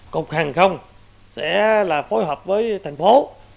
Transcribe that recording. cục hàng không sẽ phối hợp với thành phố